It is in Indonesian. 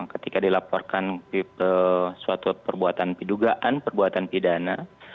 ketika dilaporkan suatu perbuatan pidugaan perbuatan pidana